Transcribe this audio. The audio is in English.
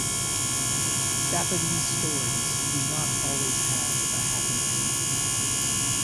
Japanese stories do not always have a happy end.